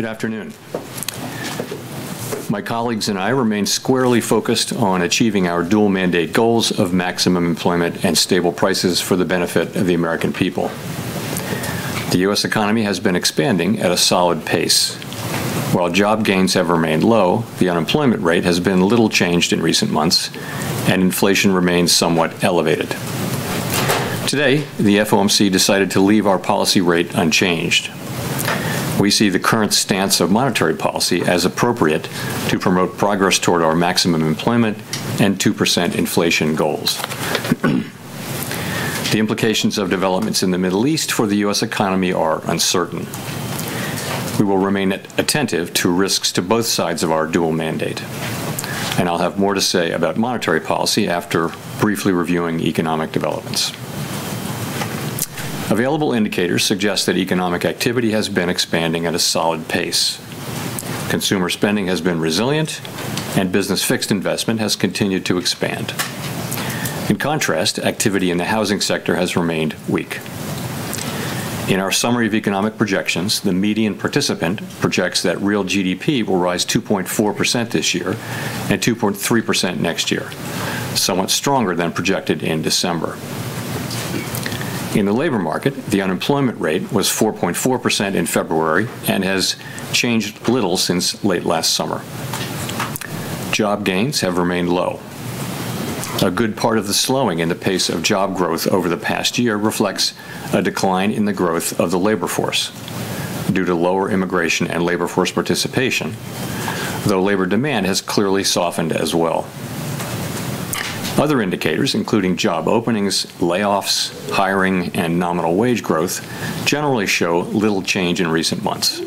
Good afternoon. My colleagues and I remain squarely focused on achieving our dual mandate goals of maximum employment and stable prices for the benefit of the American people. The U.S. economy has been expanding at a solid pace. While job gains have remained low, the unemployment rate has been little changed in recent months, and inflation remains somewhat elevated. Today, the FOMC decided to leave our policy rate unchanged. We see the current stance of monetary policy as appropriate to promote progress toward our maximum employment and 2% inflation goals. The implications of developments in the Middle East for the U.S. economy are uncertain. We will remain attentive to risks to both sides of our dual mandate. I'll have more to say about monetary policy after briefly reviewing economic developments. Available indicators suggest that economic activity has been expanding at a solid pace. Consumer spending has been resilient, and business fixed investment has continued to expand. In contrast, activity in the housing sector has remained weak. In our Summary of Economic Projections, the median participant projects that real GDP will rise 2.4% this year and 2.3% next year, somewhat stronger than projected in December. In the labor market, the unemployment rate was 4.4% in February and has changed little since late last summer. Job gains have remained low. A good part of the slowing in the pace of job growth over the past year reflects a decline in the growth of the labor force due to lower immigration and labor force participation, though labor demand has clearly softened as well. Other indicators, including job openings, layoffs, hiring, and nominal wage growth, generally show little change in recent months.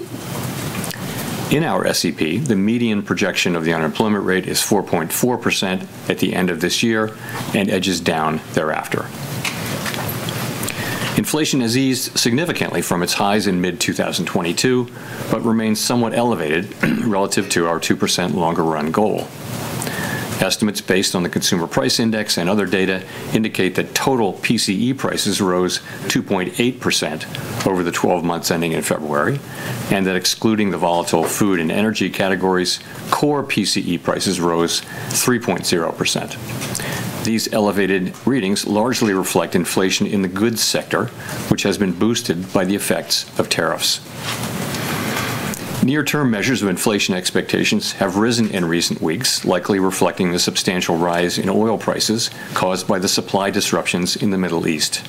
In our SEP, the median projection of the unemployment rate is 4.4% at the end of this year and edges down thereafter. Inflation has eased significantly from its highs in mid-2022 but remains somewhat elevated relative to our 2% longer-run goal. Estimates based on the Consumer Price Index and other data indicate that total PCE prices rose 2.8% over the 12 months ending in February, and that excluding the volatile food and energy categories, core PCE prices rose 3.0%. These elevated readings largely reflect inflation in the goods sector, which has been boosted by the effects of tariffs. Near-term measures of inflation expectations have risen in recent weeks, likely reflecting the substantial rise in oil prices caused by the supply disruptions in the Middle East.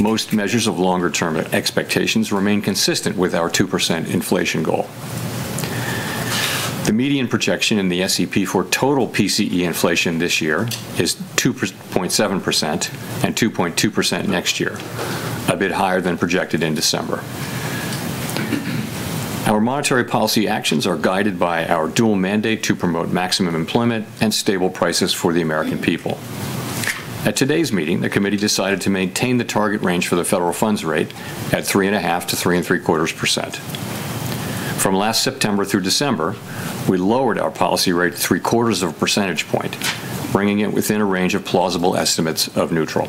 Most measures of longer-term expectations remain consistent with our 2% inflation goal. The median projection in the SEP for total PCE inflation this year is 2.7% and 2.2% next year, a bit higher than projected in December. Our monetary policy actions are guided by our dual mandate to promote maximum employment and stable prices for the American people. At today's meeting, the committee decided to maintain the target range for the federal funds rate at 3.5%-3.75%. From last September through December, we lowered our policy rate three-quarters of a percentage point, bringing it within a range of plausible estimates of neutral.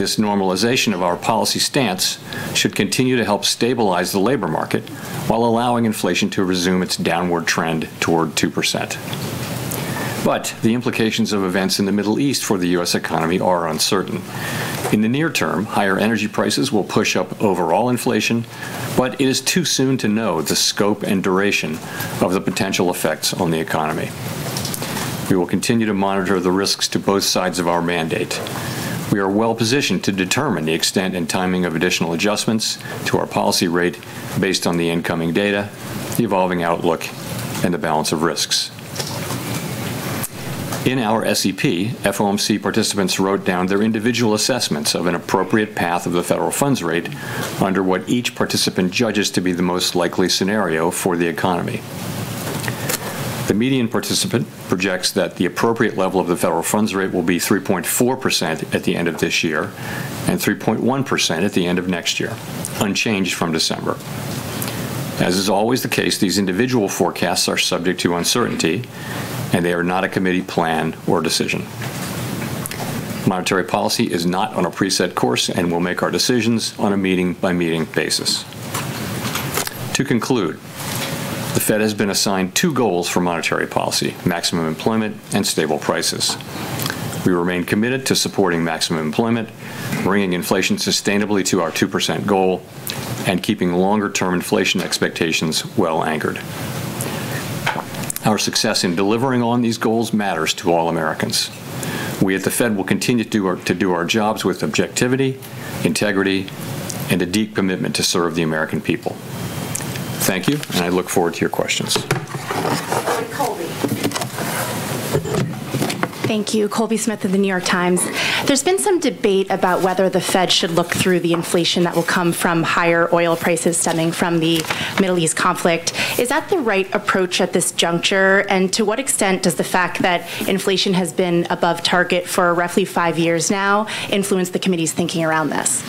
This normalization of our policy stance should continue to help stabilize the labor market while allowing inflation to resume its downward trend toward 2%. The implications of events in the Middle East for the U.S. economy are uncertain. In the near term, higher energy prices will push up overall inflation, but it is too soon to know the scope and duration of the potential effects on the economy. We will continue to monitor the risks to both sides of our mandate. We are well-positioned to determine the extent and timing of additional adjustments to our policy rate based on the incoming data, the evolving outlook, and the balance of risks. In our SEP, FOMC participants wrote down their individual assessments of an appropriate path of the federal funds rate under what each participant judges to be the most likely scenario for the economy. The median participant projects that the appropriate level of the federal funds rate will be 3.4% at the end of this year and 3.1% at the end of next year, unchanged from December. As is always the case, these individual forecasts are subject to uncertainty, and they are not a committee plan or decision. Monetary policy is not on a preset course, and we'll make our decisions on a meeting-by-meeting basis. To conclude, the Fed has been assigned two goals for monetary policy, maximum employment and stable prices. We remain committed to supporting maximum employment, bringing inflation sustainably to our 2% goal, and keeping longer-term inflation expectations well anchored. Our success in delivering on these goals matters to all Americans. We at the Fed will continue to do our jobs with objectivity, integrity, and a deep commitment to serve the American people. Thank you, and I look forward to your questions. Colby. Thank you. Colby Smith of Financial Times. There's been some debate about whether the Fed should look through the inflation that will come from higher oil prices stemming from the Middle East conflict. Is that the right approach at this juncture? To what extent does the fact that inflation has been above target for roughly five years now influence the committee's thinking around this?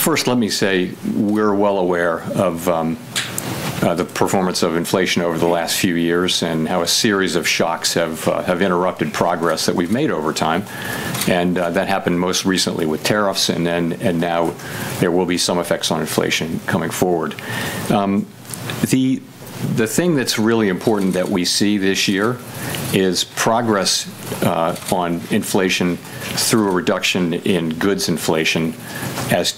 First, let me say we're well aware of the performance of inflation over the last few years and how a series of shocks have interrupted progress that we've made over time, and that happened most recently with tariffs, and then and now there will be some effects on inflation coming forward. The thing that's really important that we see this year is progress on inflation through a reduction in goods inflation as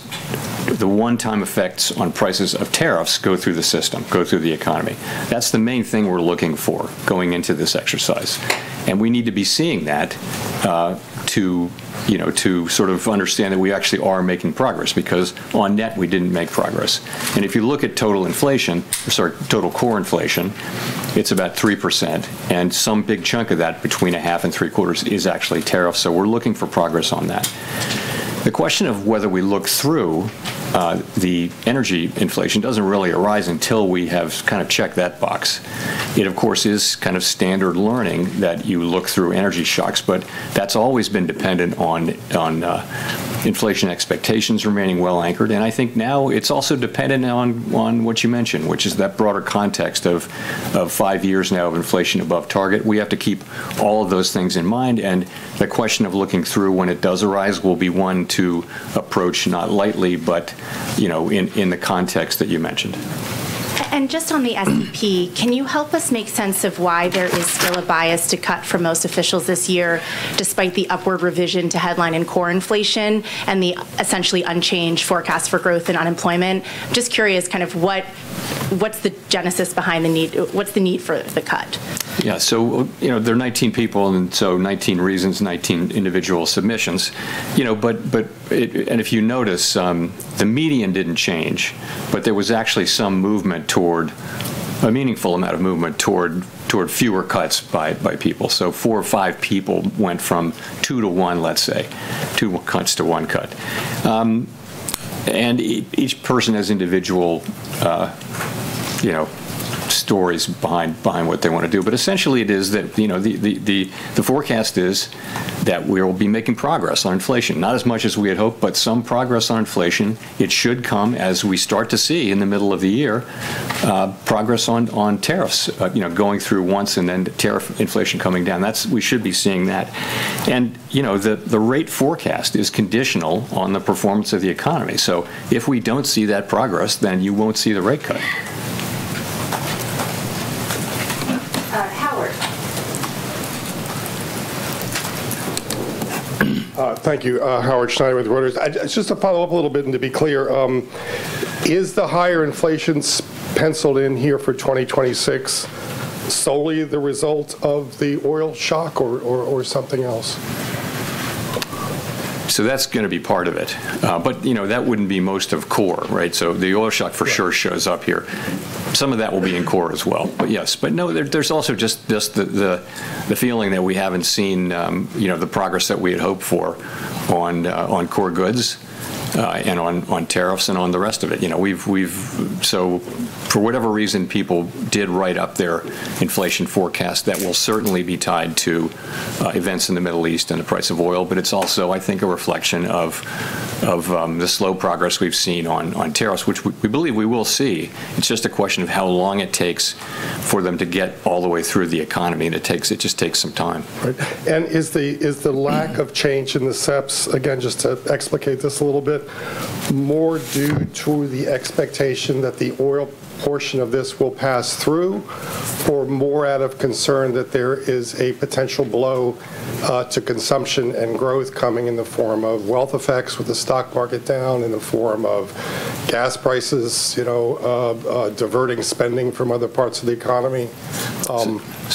the one-time effects on prices of tariffs go through the system, go through the economy. That's the main thing we're looking for going into this exercise, and we need to be seeing that, you know, to sort of understand that we actually are making progress because on net we didn't make progress. If you look at total core inflation, it's about 3%, and some big chunk of that, between a half and three quarters, is actually tariffs, so we're looking for progress on that. The question of whether we look through the energy inflation doesn't really arise until we have kinda checked that box. It, of course, is kind of standard learning that you look through energy shocks, but that's always been dependent on inflation expectations remaining well anchored, and I think now it's also dependent on what you mentioned, which is that broader context of five years now of inflation above target. We have to keep all of those things in mind, and the question of looking through when it does arise will be one to approach not lightly but you know in the context that you mentioned. Just on the SEP, can you help us make sense of why there is still a bias to cut for most officials this year despite the upward revision to headline and core inflation and the essentially unchanged forecast for growth and unemployment? Just curious kind of what's the genesis behind the need for the cut? Yeah. You know, there are 19 people and so 19 reasons, 19 individual submissions. You know, but if you notice, the median didn't change, but there was actually some movement toward a meaningful amount of movement toward fewer cuts by people. Four or five people went from 2-1, let's say, 2 cuts to 1 cut. Each person has individual, you know, stories behind what they wanna do. Essentially it is that, you know, the forecast is that we'll be making progress on inflation, not as much as we had hoped, but some progress on inflation. It should come as we start to see, in the middle of the year, progress on tariffs, you know, going through once and then tariff inflation coming down. We should be seeing that. You know, the rate forecast is conditional on the performance of the economy. If we don't see that progress, then you won't see the rate cut. Howard. Thank you. Howard Schneider with Reuters. Just to follow up a little bit and to be clear, is the higher inflation penciled in here for 2026 solely the result of the oil shock or something else? That's gonna be part of it. You know, that wouldn't be most of core, right? The oil shock Right For sure shows up here. Some of that will be in core as well. Yes. No, there's also just the feeling that we haven't seen, you know, the progress that we had hoped for on core goods, and on tariffs and on the rest of it. You know, so for whatever reason people did write up their inflation forecast, that will certainly be tied to events in the Middle East and the price of oil, but it's also, I think, a reflection of the slow progress we've seen on tariffs, which we believe we will see. It's just a question of how long it takes for them to get all the way through the economy, and it just takes some time. Right. Is the lack of change in the SEPs, again, just to explicate this a little bit, more due to the expectation that the oil portion of this will pass through or more out of concern that there is a potential blow to consumption and growth coming in the form of wealth effects with the stock market down, in the form of gas prices, you know, diverting spending from other parts of the economy?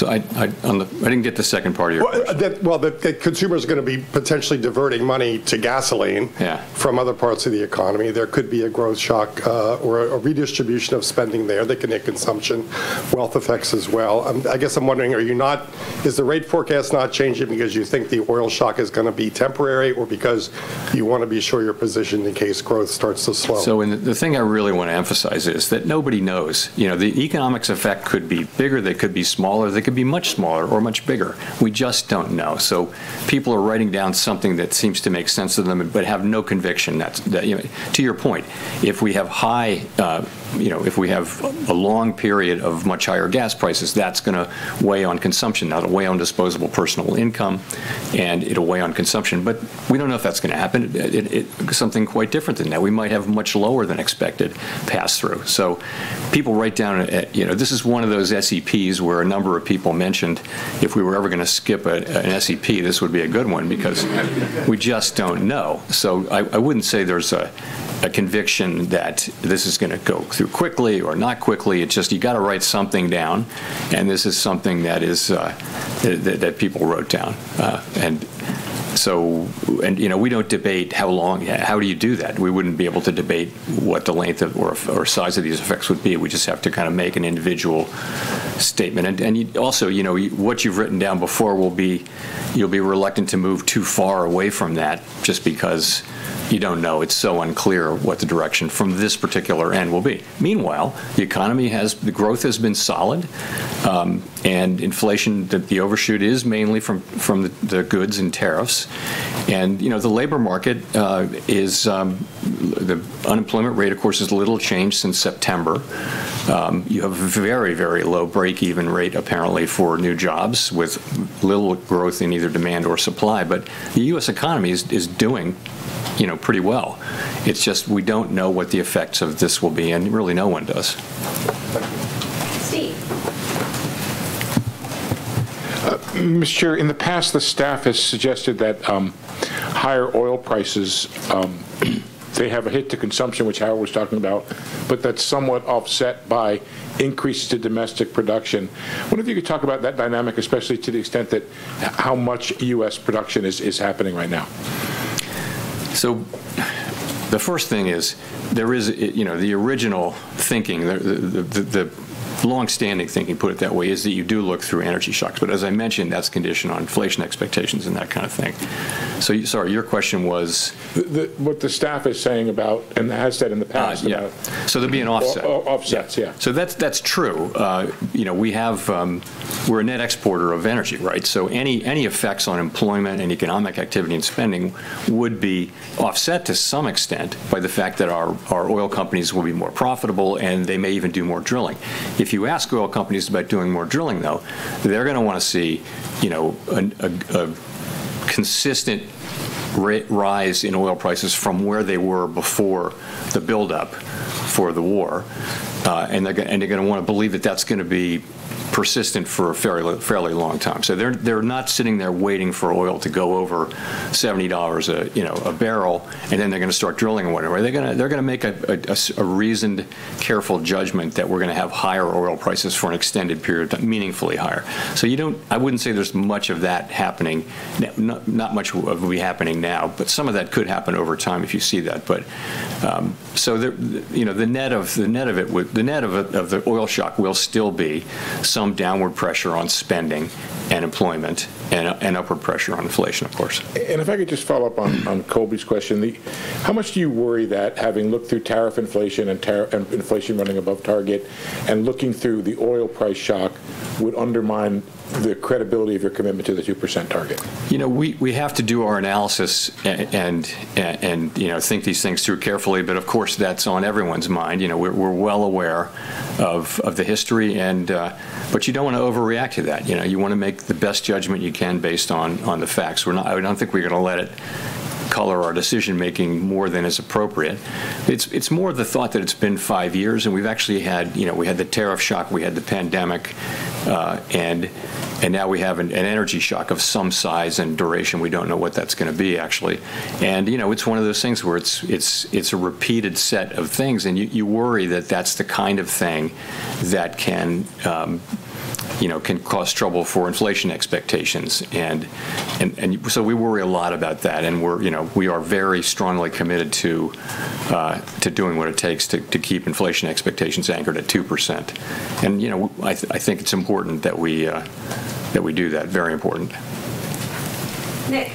I didn't get the second part of your question. Well, the consumer's gonna be potentially diverting money to gasoline. Yeah From other parts of the economy. There could be a growth shock or a redistribution of spending there. They can hit consumption, wealth effects as well. I guess I'm wondering, is the rate forecast not changing because you think the oil shock is gonna be temporary or because you wanna be sure you're positioned in case growth starts to slow? The thing I really wanna emphasize is that nobody knows. You know, the economic effects could be bigger, they could be smaller, they could be much smaller or much bigger. We just don't know. People are writing down something that seems to make sense to them but have no conviction that's. You know, to your point, if we have high, you know, if we have a long period of much higher gas prices, that's gonna weigh on consumption. That'll weigh on disposable personal income, and it'll weigh on consumption. But we don't know if that's gonna happen. It something quite different than that. We might have much lower than expected pass-through. People write down, you know. This is one of those SEPs where a number of people mentioned, "If we were ever gonna skip an SEP, this would be a good one," because we just don't know. I wouldn't say there's a conviction that this is gonna go through quickly or not quickly. It's just you gotta write something down, and this is something that people wrote down. You know, we don't debate how long. How do you do that? We wouldn't be able to debate what the length or size of these effects would be. We just have to kinda make an individual statement. Also, you know, what you've written down before will be. You'll be reluctant to move too far away from that just because you don't know. It's so unclear what the direction from this particular end will be. Meanwhile, the growth has been solid, and inflation, that the overshoot is mainly from the goods and tariffs. You know, the labor market is, the unemployment rate, of course, is little changed since September. You have very low break-even rate, apparently, for new jobs with little growth in either demand or supply. The U.S. economy is doing, you know, pretty well. It's just we don't know what the effects of this will be, and really no one does. Thank you. Steve. Mr. Chair, in the past, the staff has suggested that higher oil prices, they have a hit to consumption, which Howard was talking about, but that's somewhat offset by increases to domestic production. Wonder if you could talk about that dynamic, especially to the extent that how much U.S. production is happening right now. The first thing is, there is, you know, the original thinking, the longstanding thinking, put it that way, is that you do look through energy shocks. But as I mentioned, that's conditioned on inflation expectations and that kind of thing. Sorry, your question was? what the staff is saying about, and has said in the past about Yeah. There'd be an offset. Offsets, yeah. That's true. You know, we're a net exporter of energy, right? Any effects on employment and economic activity and spending would be offset to some extent by the fact that our oil companies will be more profitable, and they may even do more drilling. If you ask oil companies about doing more drilling, though, they're gonna wanna see, you know, a consistent rise in oil prices from where they were before the buildup for the war. And they're gonna wanna believe that that's gonna be persistent for a fairly long time. They're not sitting there waiting for oil to go over $70 a barrel, you know, and then they're gonna start drilling or whatever. They're gonna make a reasoned, careful judgment that we're gonna have higher oil prices for an extended period, but meaningfully higher. You don't. I wouldn't say there's much of that happening. Not much will be happening now, but some of that could happen over time if you see that. You know, the net of the oil shock will still be some downward pressure on spending and employment and upward pressure on inflation, of course. If I could just follow up on Colby's question. How much do you worry that having looked through tariff inflation and inflation running above target and looking through the oil price shock would undermine the credibility of your commitment to the 2% target? You know, we have to do our analysis and, you know, think these things through carefully, but of course, that's on everyone's mind. You know, we're well aware of the history, but you don't wanna overreact to that. You know, you wanna make the best judgment you can based on the facts. I don't think we're gonna let it color our decision-making more than is appropriate. It's more the thought that it's been five years, and we've actually had, you know, we had the tariff shock, we had the pandemic, and now we have an energy shock of some size and duration. We don't know what that's gonna be, actually. You know, it's one of those things where it's a repeated set of things, and you worry that that's the kind of thing that can, you know, can cause trouble for inflation expectations. We worry a lot about that, and you know, we are very strongly committed to doing what it takes to keep inflation expectations anchored at 2%. You know, I think it's important that we do that. Very important. Nick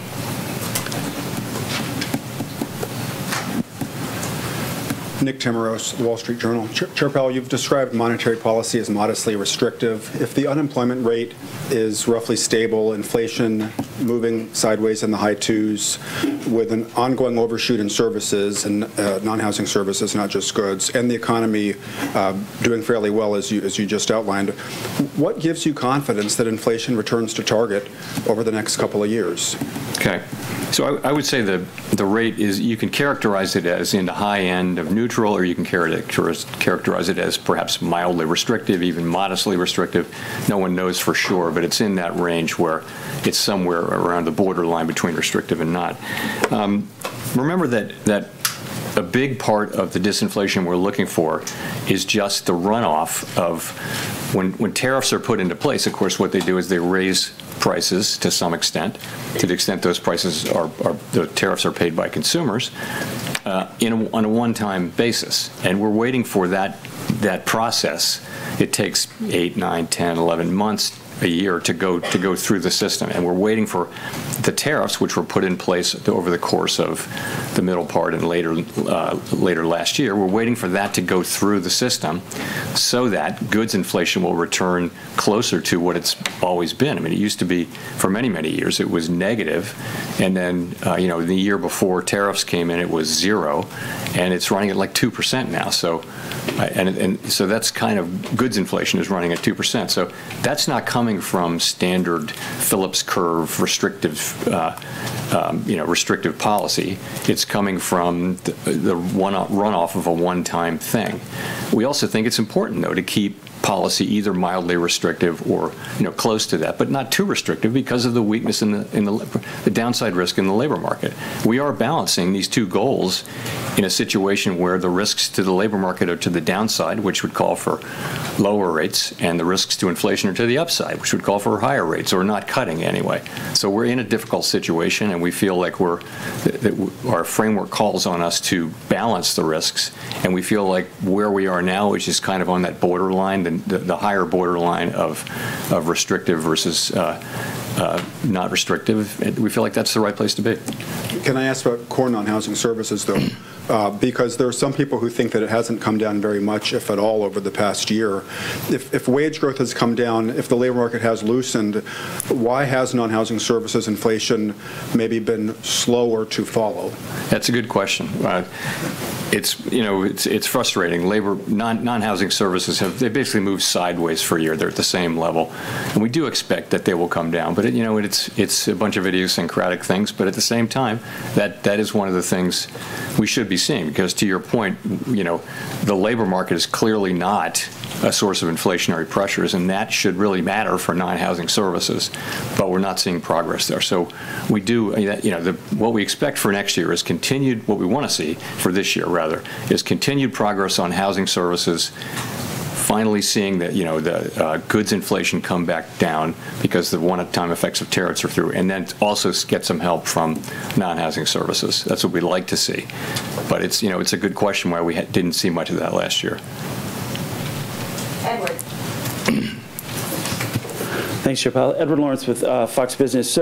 Timiraos, The Wall Street Journal. Chair Powell, you've described monetary policy as modestly restrictive. If the unemployment rate is roughly stable, inflation moving sideways in the high twos with an ongoing overshoot in services and non-housing services, not just goods, and the economy doing fairly well as you just outlined, what gives you confidence that inflation returns to target over the next couple of years? Okay. I would say the rate is you can characterize it as in the high end of neutral, or you can characterize it as perhaps mildly restrictive, even modestly restrictive. No one knows for sure, but it's in that range where it's somewhere around the borderline between restrictive and not. Remember that a big part of the disinflation we're looking for is just the runoff of when tariffs are put into place. Of course, what they do is they raise prices to some extent, to the extent those prices are the tariffs are paid by consumers, on a one-time basis. We're waiting for that process. It takes eight, nine, 10, 11 months, a year to go through the system. We're waiting for the tariffs, which were put in place over the course of the middle part and later last year. We're waiting for that to go through the system so that goods inflation will return closer to what it's always been. I mean, it used to be for many, many years, it was negative. You know, the year before tariffs came in, it was 0%, and it's running at, like, 2% now. That's kind of goods inflation is running at 2%. That's not coming from standard Phillips curve restrictive, you know, restrictive policy. It's coming from the one-off runoff of a one-time thing. We also think it's important, though, to keep policy either mildly restrictive or, you know, close to that, but not too restrictive because of the weakness in the downside risk in the labor market. We are balancing these two goals in a situation where the risks to the labor market are to the downside, which would call for lower rates, and the risks to inflation are to the upside, which would call for higher rates or not cutting anyway. We're in a difficult situation, and we feel like our framework calls on us to balance the risks. We feel like where we are now, which is kind of on that borderline, higher borderline of restrictive versus not restrictive, and we feel like that's the right place to be. Can I ask about core non-housing services, though? Because there are some people who think that it hasn't come down very much, if at all, over the past year. If wage growth has come down, if the labor market has loosened, why has non-housing services inflation maybe been slower to follow? That's a good question. It's, you know, frustrating. Non-housing services have basically moved sideways for a year. They're at the same level. We do expect that they will come down. You know, it's a bunch of idiosyncratic things. At the same time, that is one of the things we should be seeing because to your point, you know, the labor market is clearly not a source of inflationary pressures, and that should really matter for non-housing services. We're not seeing progress there. What we expect for next year is what we wanna see for this year, rather, is continued progress on housing services. Finally seeing that, you know, goods inflation come back down because the one-time effects of tariffs are through, and then to also get some help from non-housing services. That's what we'd like to see. It's, you know, it's a good question why we didn't see much of that last year. Edward. Thanks, Chair Powell. Edward Lawrence with Fox Business.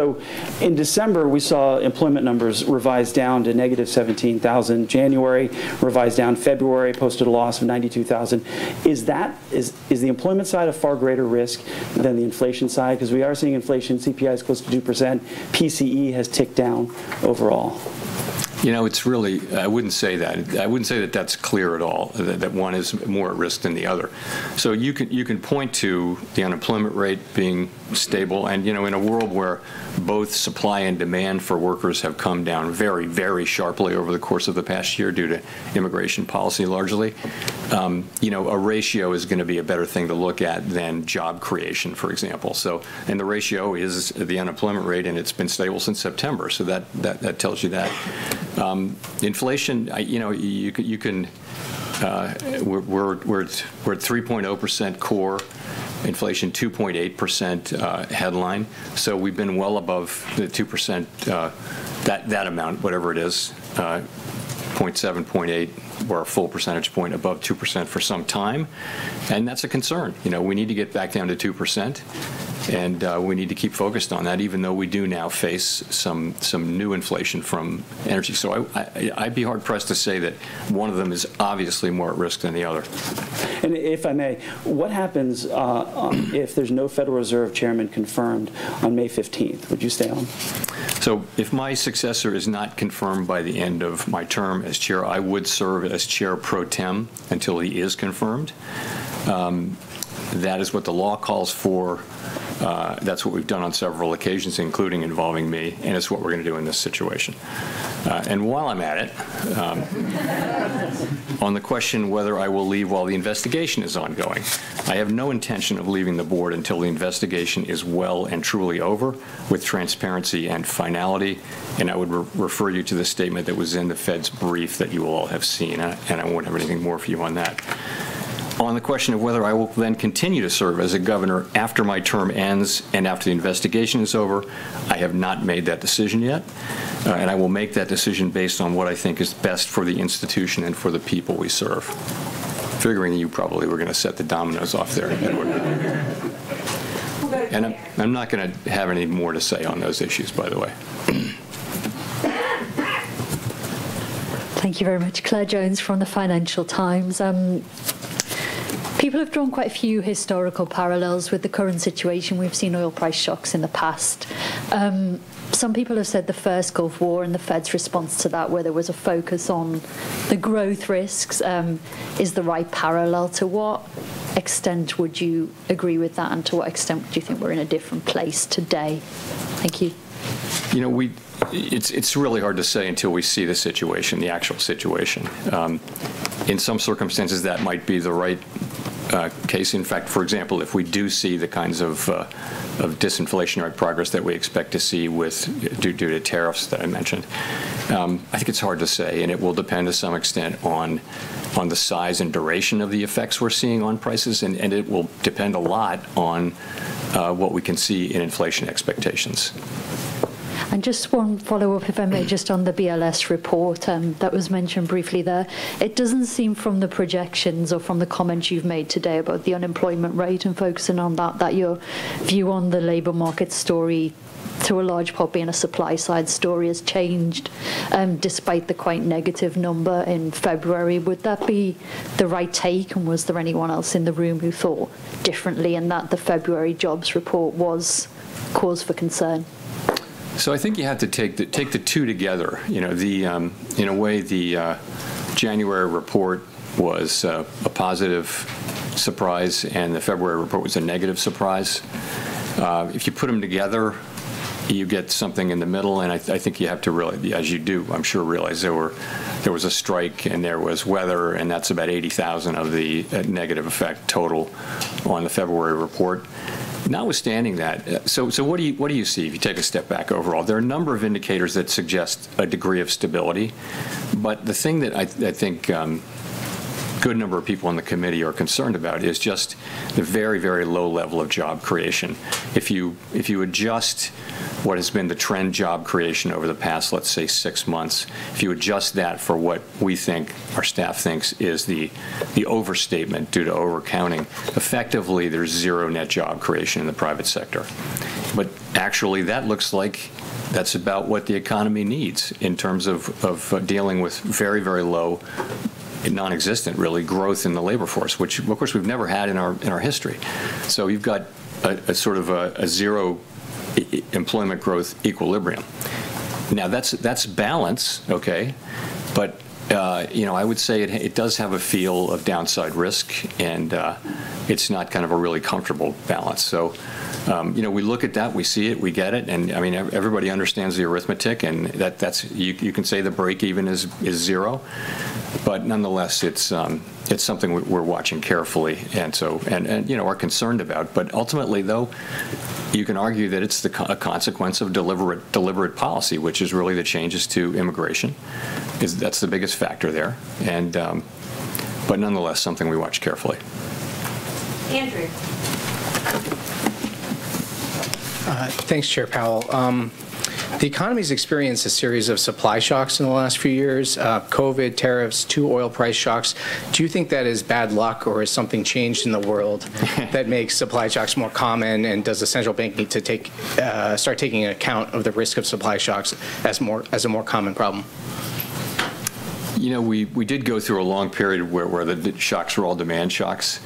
In December, we saw employment numbers revised down to -17,000. January revised down. February posted a loss of 92,000. Is that the employment side a far greater risk than the inflation side? 'Cause we are seeing inflation, CPI is close to 2%, PCE has ticked down overall. You know, I wouldn't say that that's clear at all, that one is more at risk than the other. You can point to the unemployment rate being stable. You know, in a world where both supply and demand for workers have come down very, very sharply over the course of the past year due to immigration policy, largely, you know, a ratio is gonna be a better thing to look at than job creation, for example. The ratio is the unemployment rate, and it's been stable since September. That tells you that. Inflation, you know, you can, we're at 3.0% core inflation, 2.8% headline. We've been well above the 2%, that amount, whatever it is, 0.7, 0.8, or a full percentage point above 2% for some time, and that's a concern. You know, we need to get back down to 2%, and we need to keep focused on that, even though we do now face some new inflation from energy. I'd be hard-pressed to say that one of them is obviously more at risk than the other. If I may, what happens if there's no Federal Reserve chairman confirmed on May fifteenth? Would you stay on? If my successor is not confirmed by the end of my term as chair, I would serve as Chair pro tem until he is confirmed. That is what the law calls for, that's what we've done on several occasions, including involving me, and it's what we're gonna do in this situation. While I'm at it, on the question whether I will leave while the investigation is ongoing, I have no intention of leaving the board until the investigation is well and truly over, with transparency and finality, and I would refer you to the statement that was in the Fed's brief that you all have seen. I won't have anything more for you on that. On the question of whether I will then continue to serve as a governor after my term ends and after the investigation is over, I have not made that decision yet. All right. I will make that decision based on what I think is best for the institution and for the people we serve. Figuring you probably were gonna set the dominoes off there, Edward. We'll go to Claire. I'm not gonna have any more to say on those issues, by the way. Thank you very much. Claire Jones from the Financial Times. People have drawn quite a few historical parallels with the current situation. We've seen oil price shocks in the past. Some people have said the first Gulf War and the Fed's response to that, where there was a focus on the growth risks, is the right parallel. To what extent would you agree with that, and to what extent do you think we're in a different place today? Thank you. You know, it's really hard to say until we see the situation, the actual situation. In some circumstances, that might be the right case. In fact, for example, if we do see the kinds of disinflationary progress that we expect to see due to tariffs that I mentioned. I think it's hard to say, and it will depend to some extent on the size and duration of the effects we're seeing on prices, and it will depend a lot on what we can see in inflation expectations. Just one follow-up, if I may, just on the BLS report, that was mentioned briefly there. It doesn't seem from the projections or from the comments you've made today about the unemployment rate and focusing on that your view on the labor market story, to a large part being a supply-side story, has changed, despite the quite negative number in February. Would that be the right take, and was there anyone else in the room who thought differently and that the February jobs report was cause for concern? I think you have to take the two together. You know, in a way, the January report was a positive surprise and the February report was a negative surprise. If you put them together, you get something in the middle, and I think you have to, as you do, I'm sure, realize there was a strike and there was weather, and that's about 80,000 of the negative effect total on the February report. Notwithstanding that, what do you see if you take a step back overall? There are a number of indicators that suggest a degree of stability, but the thing that I think a good number of people on the committee are concerned about is just the very, very low level of job creation. If you adjust what has been the trend job creation over the past, let's say, six months, if you adjust that for what we think, our staff thinks is the overstatement due to overcounting, effectively, there's zero net job creation in the private sector. Actually, that looks like that's about what the economy needs in terms of dealing with very, very low, non-existent, really, growth in the labor force, which, of course, we've never had in our history. You've got a sort of a zero employment growth equilibrium. Now, that's balance, okay? You know, I would say it does have a feel of downside risk and it's not kind of a really comfortable balance. You know, we look at that, we see it, we get it, and I mean, everybody understands the arithmetic and that's you can say the break-even is zero. Nonetheless, it's something we're watching carefully, and you know, are concerned about. Ultimately, though, you can argue that it's a consequence of deliberate policy, which is really the changes to immigration. 'Cause that's the biggest factor there. Nonetheless, something we watch carefully. Andrew. Thanks, Chair Powell. The economy's experienced a series of supply shocks in the last few years. COVID, tariffs, two oil price shocks. Do you think that is bad luck, or has something changed in the world that makes supply shocks more common, and does the central bank need to start taking account of the risk of supply shocks as a more common problem? You know, we did go through a long period where the shocks were all demand shocks.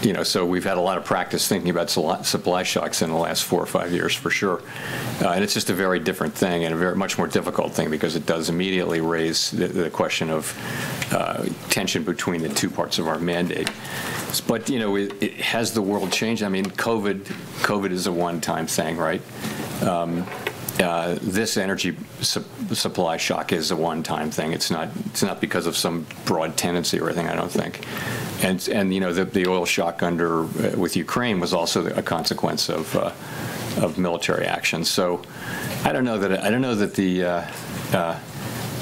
You know, so we've had a lot of practice thinking about supply shocks in the last four or five years for sure. It's just a very different thing, and a very much more difficult thing because it does immediately raise the question of tension between the two parts of our mandate. You know, it. Has the world changed? I mean, COVID is a one-time thing, right? This energy supply shock is a one-time thing. It's not because of some broad tendency or anything, I don't think. You know, the oil shock with Ukraine was also a consequence of military action. I don't know that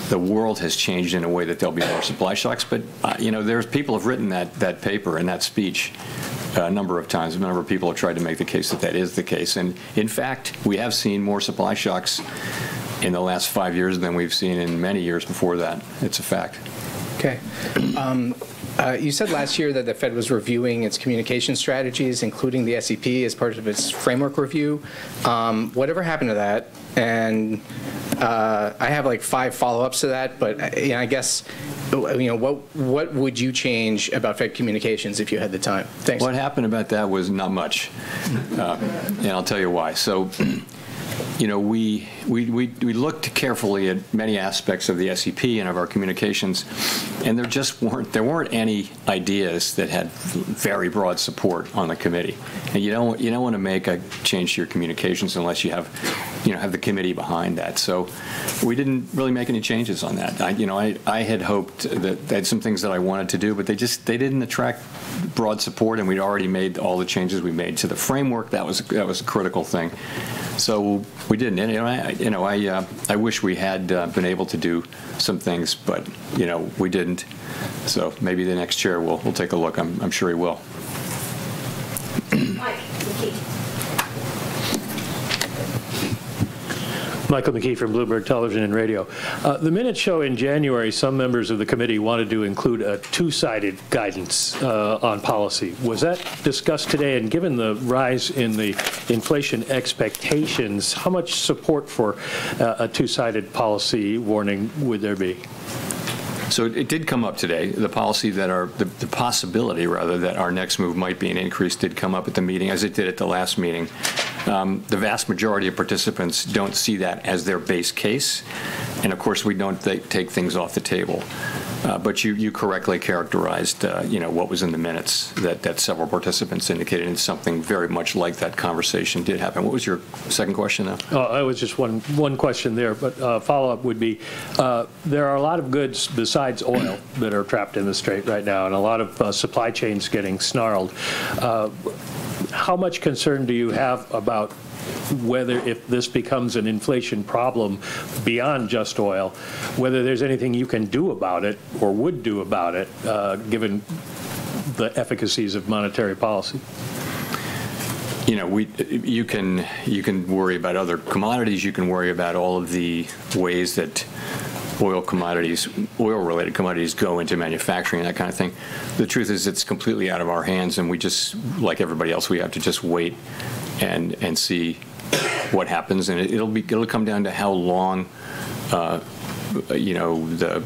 the world has changed in a way that there'll be more supply shocks. You know, people have written that paper and that speech a number of times. A number of people have tried to make the case that that is the case. In fact, we have seen more supply shocks in the last five years than we've seen in many years before that. It's a fact. Okay. You said last year that the Fed was reviewing its communication strategies, including the SEP, as part of its framework review. Whatever happened to that? I have, like, five follow-ups to that, but, you know, I guess, you know, what would you change about Fed communications if you had the time? Thanks. What happened about that was not much. I'll tell you why. You know, we looked carefully at many aspects of the SEP and of our communications, and there just weren't any ideas that had very broad support on the committee. You don't wanna make a change to your communications unless you have, you know, have the committee behind that. We didn't really make any changes on that. I, you know, I had hoped that I had some things that I wanted to do, but they just didn't attract broad support, and we'd already made all the changes we made to the framework. That was a critical thing. We didn't. You know, I wish we had been able to do some things, but you know, we didn't. Maybe the next chair will take a look. I'm sure he will. Michael McKee from Bloomberg Television and Radio. The minutes show in January some members of the committee wanted to include a two-sided guidance on policy. Was that discussed today? Given the rise in the inflation expectations, how much support for a two-sided policy warning would there be? It did come up today, the possibility rather that our next move might be an increase did come up at the meeting, as it did at the last meeting. The vast majority of participants don't see that as their base case. Of course, we don't take things off the table. You correctly characterized, you know, what was in the minutes that several participants indicated, and something very much like that conversation did happen. What was your second question, though? Oh, it was just one question there, but a follow-up would be, there are a lot of goods besides oil that are trapped in the strait right now and a lot of supply chains getting snarled. How much concern do you have about whether if this becomes an inflation problem beyond just oil, whether there's anything you can do about it or would do about it, given the efficacies of monetary policy? You know, you can worry about other commodities. You can worry about all of the ways that oil commodities, oil-related commodities go into manufacturing and that kind of thing. The truth is, it's completely out of our hands, and we just, like everybody else, have to just wait and see what happens. It'll come down to how long, you know, the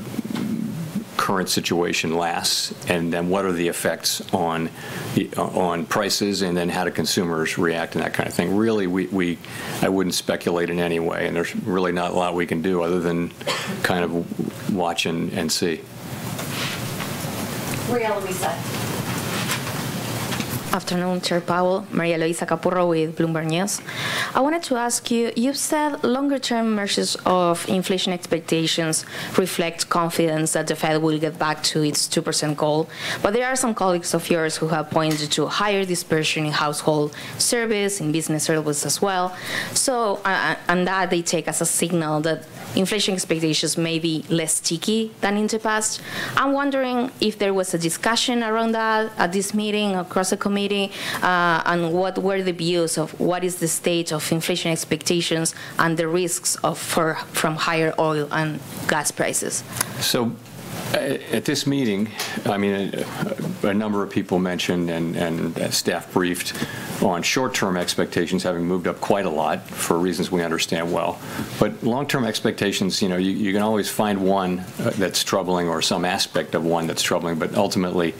current situation lasts, and then what are the effects on the prices, and then how do consumers react, and that kind of thing. Really, we wouldn't speculate in any way, and there's really not a lot we can do other than kind of watch and see. Maria Luisa. Afternoon, Chair Powell. Maria Luisa Capurro with Bloomberg News. I wanted to ask you've said longer-term measures of inflation expectations reflect confidence that the Fed will get back to its 2% goal. There are some colleagues of yours who have pointed to higher dispersion in household surveys, in business surveys as well, that they take as a signal that inflation expectations may be less sticky than in the past. I'm wondering if there was a discussion around that at this meeting across the committee, and what were the views of what is the state of inflation expectations and the risks from higher oil and gas prices. At this meeting, I mean, a number of people mentioned and staff briefed on short-term expectations having moved up quite a lot for reasons we understand well. Long-term expectations, you know, you can always find one that's troubling or some aspect of one that's troubling. Ultimately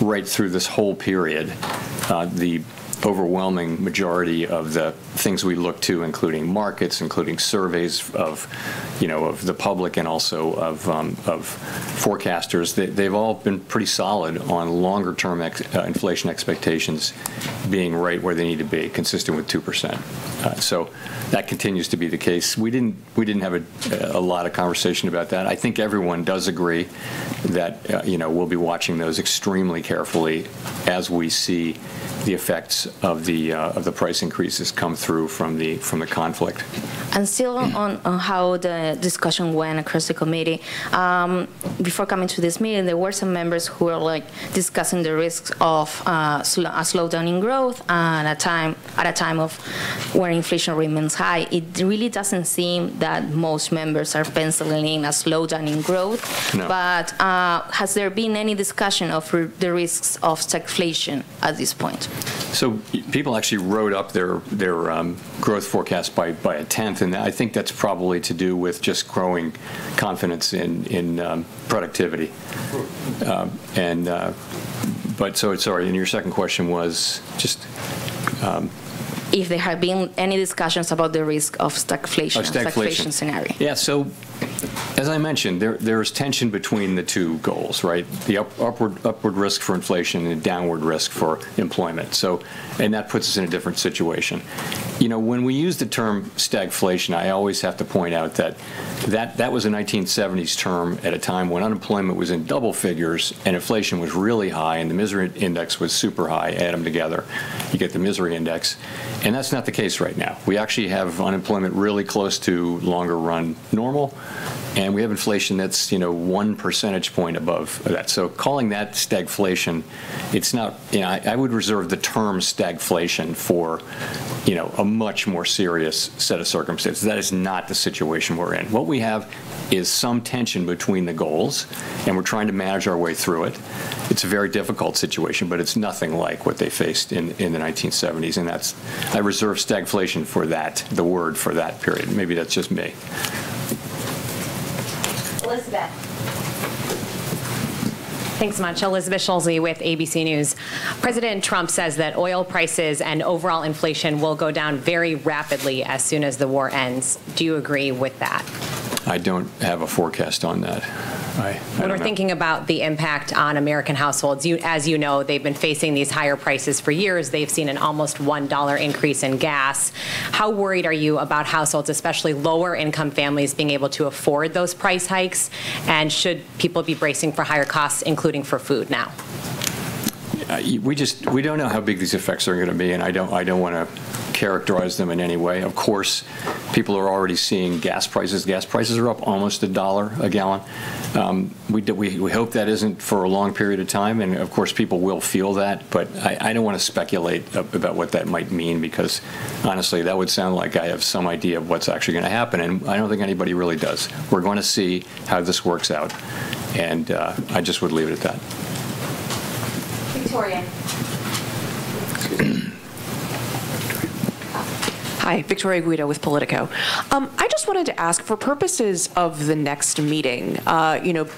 right through this whole period, the overwhelming majority of the things we look to, including markets, including surveys of, you know, of the public and also of forecasters. They've all been pretty solid on longer term inflation expectations being right where they need to be, consistent with 2%. That continues to be the case. We didn't have a lot of conversation about that. I think everyone does agree that, you know, we'll be watching those extremely carefully as we see the effects of the price increases come through from the conflict. Still on how the discussion went across the committee. Before coming to this meeting, there were some members who were like discussing the risks of a slowdown in growth at a time when inflation remains high. It really doesn't seem that most members are penciling in a slowdown in growth. No. Has there been any discussion of the risks of stagflation at this point? People actually wrote up their growth forecast by a tenth, and I think that's probably to do with just growing confidence in productivity. Sorry, and your second question was? Just, If there have been any discussions about the risk of stagflation? Of stagflation. stagflation scenario. Yeah. As I mentioned, there is tension between the two goals, right? The upward risk for inflation and downward risk for employment. That puts us in a different situation. You know, when we use the term stagflation, I always have to point out that that was a 1970s term at a time when unemployment was in double figures and inflation was really high, and the misery index was super high. Add them together, you get the misery index, and that's not the case right now. We actually have unemployment really close to longer run normal, and we have inflation that's, you know, one percentage point above that. Calling that stagflation, it's not. You know, I would reserve the term stagflation for, you know, a much more serious set of circumstances. That is not the situation we're in. What we have is some tension between the goals, and we're trying to manage our way through it. It's a very difficult situation, but it's nothing like what they faced in the 1970s, and that's. I reserve stagflation for that, the word for that period. Maybe that's just me. Elizabeth. Thanks so much. Elizabeth Schulze with ABC News. President Trump says that oil prices and overall inflation will go down very rapidly as soon as the war ends. Do you agree with that? I don't have a forecast on that. I don't know. When we're thinking about the impact on American households, you, as you know, they've been facing these higher prices for years. They've seen an almost $1 increase in gas. How worried are you about households, especially lower income families, being able to afford those price hikes? Should people be bracing for higher costs, including for food now? We just don't know how big these effects are gonna be, and I don't wanna characterize them in any way. Of course, people are already seeing gas prices. Gas prices are up almost $1 a gallon. We hope that isn't for a long period of time, and of course people will feel that. I don't wanna speculate about what that might mean because honestly, that would sound like I have some idea of what's actually gonna happen, and I don't think anybody really does. We're gonna see how this works out and I just would leave it at that. Victoria. Excuse me. Victoria. Hi, Victoria Guida with Politico. I just wanted to ask, for purposes of the next meeting, you know,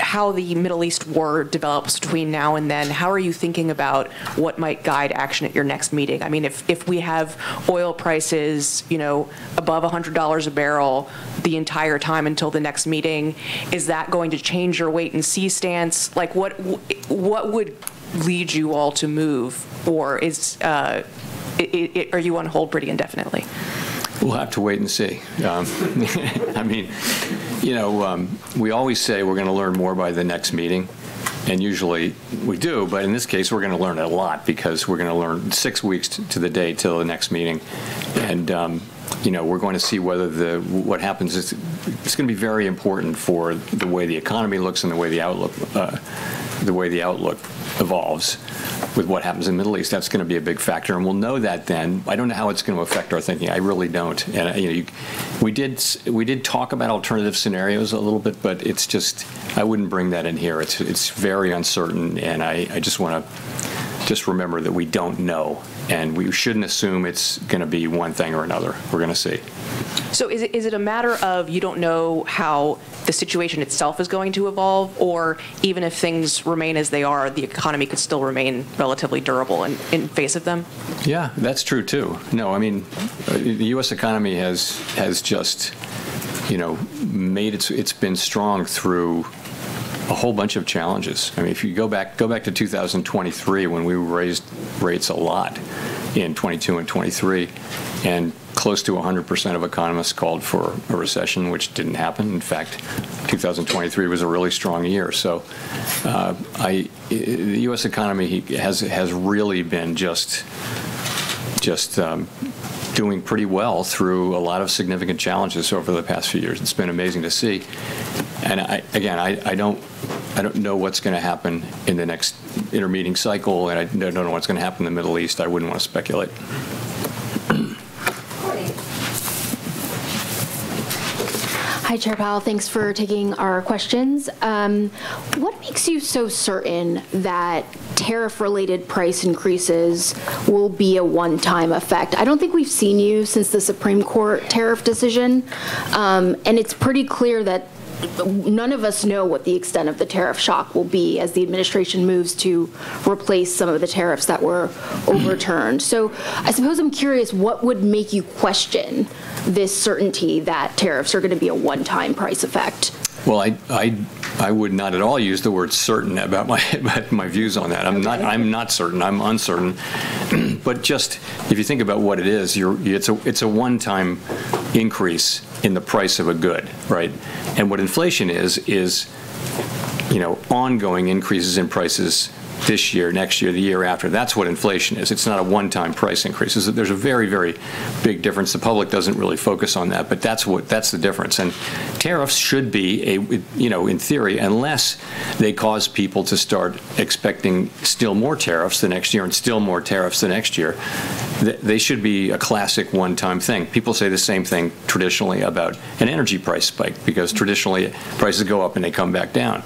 how the Middle East war develops between now and then, how are you thinking about what might guide action at your next meeting? I mean, if we have oil prices, you know, above $100 a barrel the entire time until the next meeting, is that going to change your wait and see stance? Like what would lead you all to move, or are you on hold pretty indefinitely? We'll have to wait and see. I mean, you know, we always say we're gonna learn more by the next meeting, and usually we do. But in this case, we're gonna learn a lot because we're gonna learn six weeks to the day till the next meeting. You know, we're going to see whether what happens is it's gonna be very important for the way the economy looks and the way the outlook evolves with what happens in the Middle East. That's gonna be a big factor, and we'll know that then. I don't know how it's gonna affect our thinking. I really don't. You know, we did talk about alternative scenarios a little bit, but it's just, I wouldn't bring that in here. It's very uncertain and I just wanna remember that we don't know, and we shouldn't assume it's gonna be one thing or another. We're gonna see. Is it a matter of you don't know how the situation itself is going to evolve? Or even if things remain as they are, the economy could still remain relatively durable in face of them? Yeah, that's true too. No, I mean, the U.S. economy has just, you know, it's been strong through a whole bunch of challenges. I mean, if you go back to 2023 when we raised rates a lot in 2022 and 2023, and close to 100% of economists called for a recession, which didn't happen. In fact, 2023 was a really strong year. The U.S. economy has really been just doing pretty well through a lot of significant challenges over the past few years. It's been amazing to see. I, again, I don't know what's gonna happen in the next intermeeting cycle, and I don't know what's gonna happen in the Middle East. I wouldn't wanna speculate. Courtney. Hi, Chair Powell. Thanks for taking our questions. What makes you so certain that tariff-related price increases will be a one-time effect? I don't think we've seen you since the Supreme Court tariff decision, and it's pretty clear that none of us know what the extent of the tariff shock will be as the administration moves to replace some of the tariffs that were overturned. I suppose I'm curious, what would make you question this certainty that tariffs are gonna be a one-time price effect? Well, I would not at all use the word certain about my views on that. I'm not certain, I'm uncertain. Just if you think about what it is, it's a one-time increase in the price of a good, right? What inflation is, you know, ongoing increases in prices this year, next year, the year after. That's what inflation is. It's not a one-time price increase. There's a very big difference. The public doesn't really focus on that, but that's the difference. Tariffs should be, you know, in theory, unless they cause people to start expecting still more tariffs the next year and still more tariffs the next year, they should be a classic one-time thing. People say the same thing traditionally about an energy price spike because traditionally prices go up, and they come back down.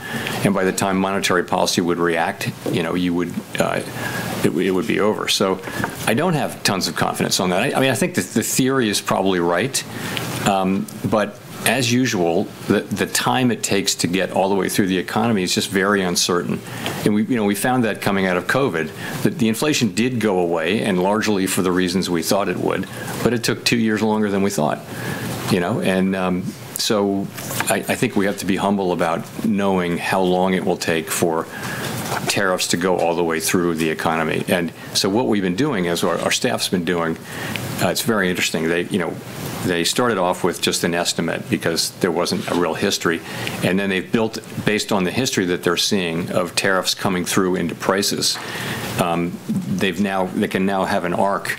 By the time monetary policy would react, you know, you would, it would be over. I don't have tons of confidence on that. I mean, I think the theory is probably right. But as usual, the time it takes to get all the way through the economy is just very uncertain. We, you know, we found that coming out of COVID, that the inflation did go away, and largely for the reasons we thought it would, but it took two years longer than we thought, you know. I think we have to be humble about knowing how long it will take for tariffs to go all the way through the economy. What we've been doing is, or our staff's been doing, it's very interesting. They, you know, they started off with just an estimate because there wasn't a real history, and then they built based on the history that they're seeing of tariffs coming through into prices, they can now have an arc,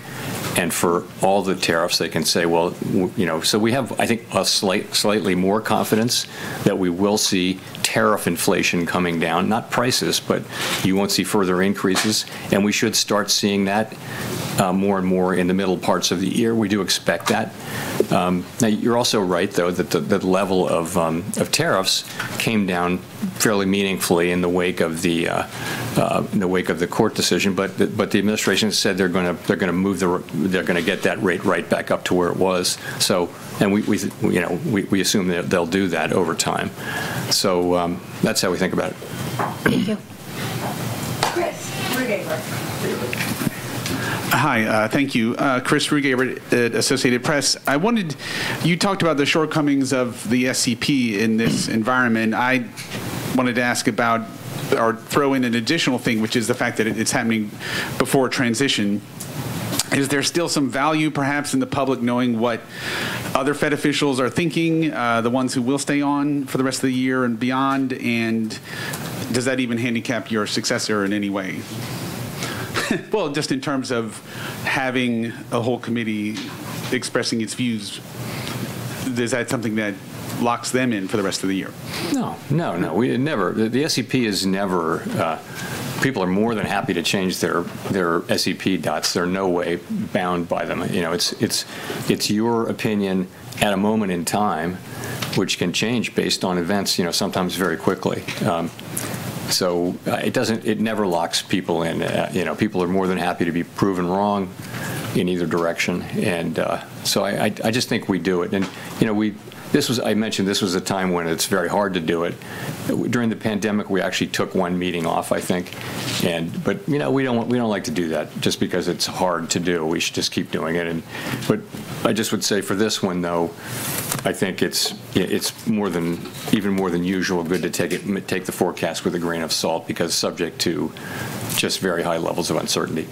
and for all the tariffs, they can say, well, you know. We have, I think, slightly more confidence that we will see tariff inflation coming down, not prices, but you won't see further increases. We should start seeing that, more and more in the middle parts of the year. We do expect that. Now you're also right, though, that the level of tariffs came down fairly meaningfully in the wake of the court decision. The administration said they're gonna get that rate right back up to where it was. You know, we assume they'll do that over time. That's how we think about it. Thank you. Chris Rugaber. Hi, thank you. Chris Rugaber, Associated Press. I wondered, you talked about the shortcomings of the SEP in this environment. I wanted to ask about or throw in an additional thing, which is the fact that it's happening before a transition. Is there still some value perhaps in the public knowing what other Fed officials are thinking, the ones who will stay on for the rest of the year and beyond? Does that even handicap your successor in any way? Well, just in terms of having a whole committee expressing its views, is that something that locks them in for the rest of the year? No. No, no. Never. The SEP is never. People are more than happy to change their SEP dots. They're in no way bound by them. You know, it's your opinion at a moment in time, which can change based on events, you know, sometimes very quickly. It never locks people in. You know, people are more than happy to be proven wrong in either direction. I just think we do it. You know, I mentioned this was a time when it's very hard to do it. During the pandemic, we actually took one meeting off, I think. You know, we don't like to do that just because it's hard to do. We should just keep doing it. I just would say for this one, though, I think it's, you know, it's more than, even more than usual, good to take the forecast with a grain of salt because subject to just very high levels of uncertainty.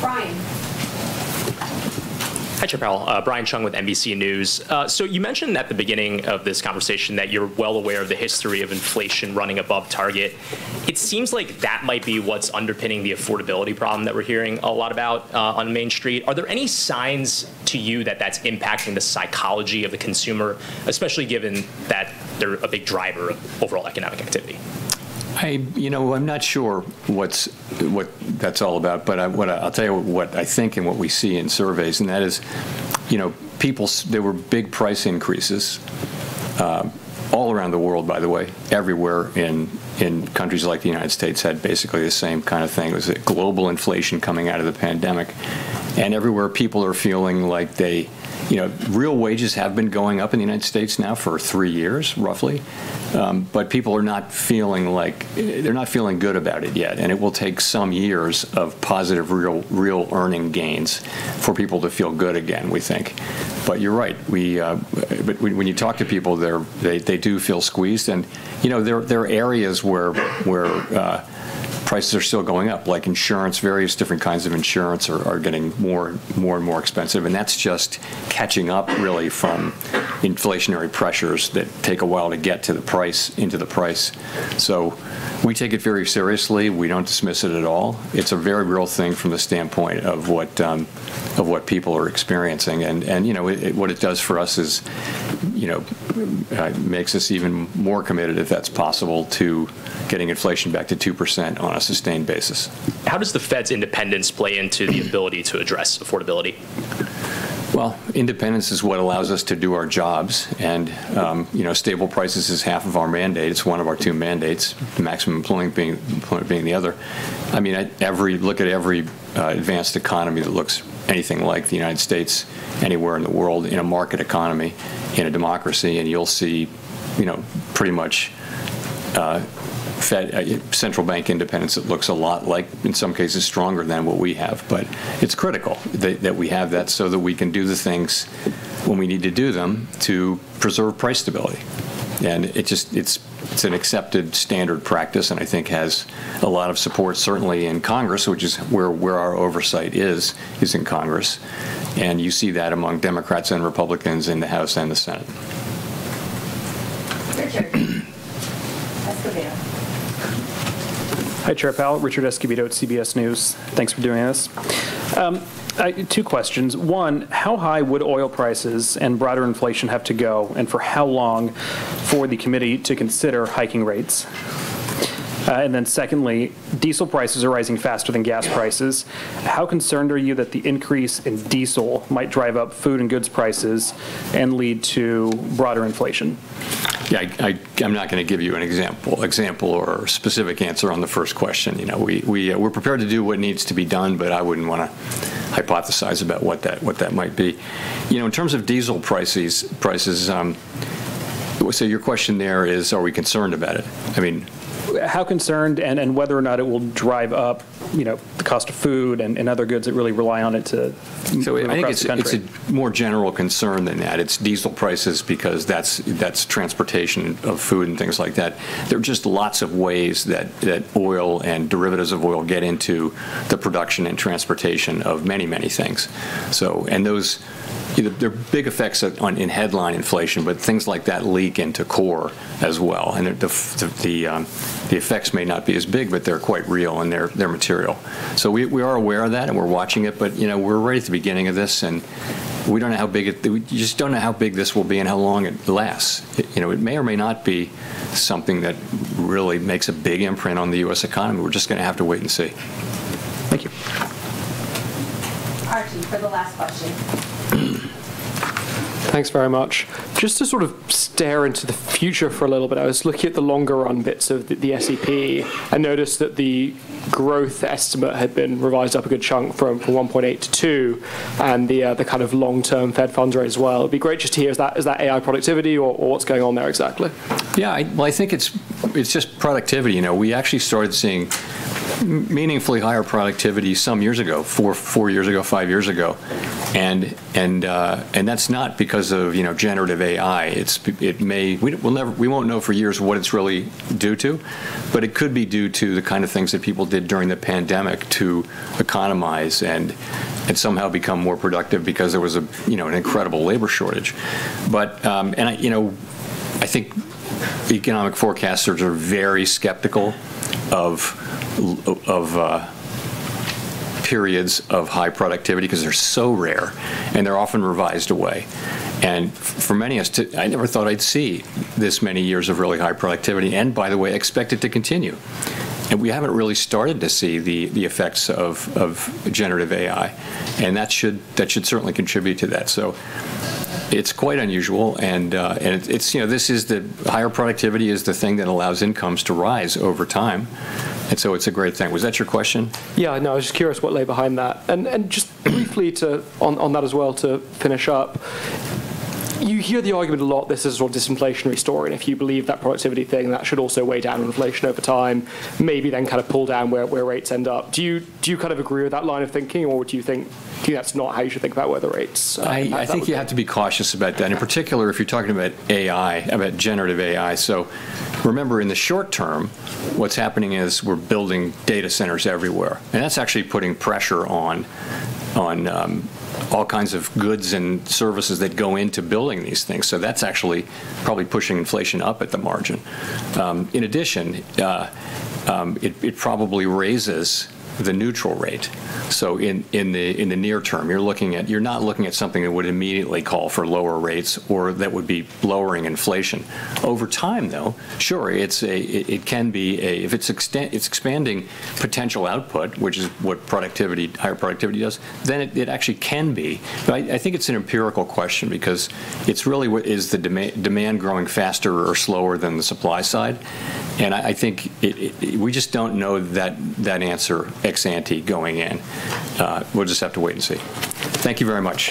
Brian. Hi, Chair Powell. Brian Cheung with NBC News. You mentioned at the beginning of this conversation that you're well aware of the history of inflation running above target. It seems like that might be what's underpinning the affordability problem that we're hearing a lot about on Main Street. Are there any signs to you that that's impacting the psychology of the consumer, especially given that they're a big driver of overall economic activity? You know, I'm not sure what that's all about, but I'll tell you what I think and what we see in surveys, and that is, you know, people there were big price increases all around the world, by the way, everywhere in countries like the United States had basically the same kind of thing. It was a global inflation coming out of the pandemic. Everywhere people are feeling like they, you know, real wages have been going up in the United States now for three years, roughly. People are not feeling like, They're not feeling good about it yet, and it will take some years of positive real earning gains for people to feel good again, we think. You're right, we, when you talk to people, they do feel squeezed. You know, there are areas where prices are still going up, like insurance. Various different kinds of insurance are getting more and more expensive, and that's just catching up really from inflationary pressures that take a while to get to the price, into the price. We take it very seriously. We don't dismiss it at all. It's a very real thing from the standpoint of what people are experiencing. You know, what it does for us is, you know, makes us even more committed, if that's possible, to getting inflation back to 2% on a sustained basis. How does the Fed's independence play into the ability to address affordability? Well, independence is what allows us to do our jobs, and, you know, stable prices is half of our mandate. It's one of our two mandates, maximum employment being the other. Look at every advanced economy that looks anything like the United States anywhere in the world in a market economy, in a democracy, and you'll see, you know, pretty much, Fed, central bank independence that looks a lot like, in some cases, stronger than what we have. It's critical that we have that so that we can do the things when we need to do them to preserve price stability, and it just, it's an accepted standard practice and I think has a lot of support certainly in Congress, which is where our oversight is in Congress. You see that among Democrats and Republicans in the House and the Senate. Richard Escobedo. Hi, Chair Powell. Richard Escobedo at CBS News. Thanks for doing this. Two questions. One, how high would oil prices and broader inflation have to go, and for how long, for the committee to consider hiking rates? Secondly, diesel prices are rising faster than gas prices. How concerned are you that the increase in diesel might drive up food and goods prices and lead to broader inflation? Yeah. I'm not gonna give you an example or specific answer on the first question. You know, we're prepared to do what needs to be done, but I wouldn't wanna hypothesize about what that might be. You know, in terms of diesel prices. Your question there is, are we concerned about it? I mean. How concerned and whether or not it will drive up, you know, the cost of food and other goods that really rely on it to I think it's a across the country It's a more general concern than that. It's diesel prices because that's transportation of food and things like that. There are just lots of ways that oil and derivatives of oil get into the production and transportation of many things. Those, you know, they're big effects on headline inflation, but things like that leak into core as well, and the effects may not be as big, but they're quite real and they're material. We are aware of that and we're watching it, but, you know, we're right at the beginning of this and we don't know how big it will be and how long it lasts. We just don't know how big this will be and how long it lasts. It, you know, it may or may not be something that really makes a big imprint on the U.S. economy. We're just gonna have to wait and see. Thank you. Cheung, for the last question. Thanks very much. Just to sort of stare into the future for a little bit, I was looking at the longer run bits of the SEP and noticed that the growth estimate had been revised up a good chunk from 1.8-2, and the kind of long-term Fed funds rate as well. It'd be great just to hear, is that AI productivity or what's going on there exactly? Yeah. Well, I think it's just productivity. You know, we actually started seeing meaningfully higher productivity some years ago, four years ago, five years ago, and that's not because of, you know, generative AI. It may. We won't know for years what it's really due to, but it could be due to the kind of things that people did during the pandemic to economize and somehow become more productive because there was, you know, an incredible labor shortage. I think the economic forecasters are very skeptical of periods of high productivity 'cause they're so rare, and they're often revised away. For many us to. I never thought I'd see this many years of really high productivity, and by the way, expect it to continue. We haven't really started to see the effects of generative AI, and that should certainly contribute to that. It's quite unusual. You know, higher productivity is the thing that allows incomes to rise over time, and so it's a great thing. Was that your question? Yeah. No, I was just curious what lay behind that. Just briefly too, on that as well, to finish up, you hear the argument a lot this is a sort of disinflationary story, and if you believe that productivity thing, that should also weigh down on inflation over time maybe then kind of pull down where rates end up. Do you kind of agree with that line of thinking or do you think that's not how you should think about where the rates impact that? I think you have to be cautious about that, and in particular, if you're talking about AI, about generative AI. Remember, in the short term what's happening is we're building data centers everywhere, and that's actually putting pressure on all kinds of goods and services that go into building these things, so that's actually probably pushing inflation up at the margin. In addition, it probably raises the neutral rate. In the near term, you're not looking at something that would immediately call for lower rates or that would be lowering inflation. Over time though, sure, it can be. If it's expanding potential output, which is what higher productivity does, then it actually can be. I think it's an empirical question because it's really what is the demand growing faster or slower than the supply side? I think it we just don't know that answer ex ante going in. We'll just have to wait and see. Thank you very much.